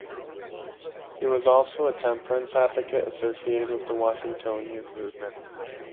He was also a temperance advocate associated with the Washingtonian movement.